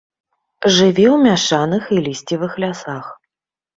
Жыве ў мяшаных і лісцевых лясах.